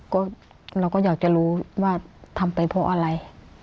ก็เราก็อยากจะรู้ว่าทำไปเพราะอะไร